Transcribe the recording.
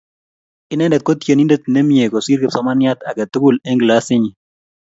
Inendet ko tyenindet ne mie kosir kipsomaniat age tugul eng klasinyi.